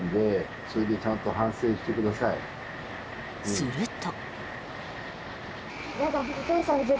すると。